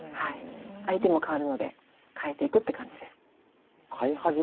相手も変わるので変えていくって感じです。